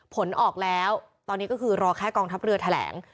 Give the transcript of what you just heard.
ผลออกแล้วตอนนี้ก็คือรอแค่กองทัพเรือแถลง